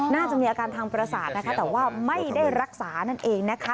น่าจะมีอาการทางประสาทนะคะแต่ว่าไม่ได้รักษานั่นเองนะคะ